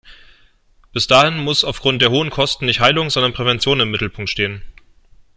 Bis dahin muss aufgrund der hohen Kosten nicht Heilung, sondern Prävention im Mittelpunkt stehen.